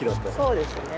そうですね。